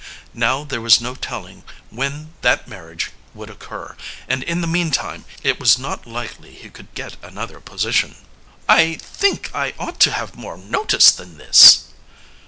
Now there was no telling when that marriage would occur, and in the meantime it was not likely he could get another position. "I think I ought to have more notice than this."